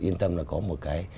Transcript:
yên tâm là có một cái